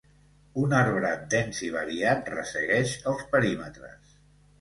Un arbrat dens i variat ressegueix els perímetres.